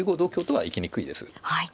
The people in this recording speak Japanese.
はい。